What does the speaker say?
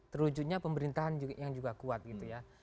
terwujudnya pemerintahan yang juga kuat gitu ya